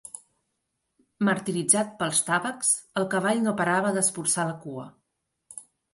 Martiritzat pels tàvecs, el cavall no parava d'espolsar la cua.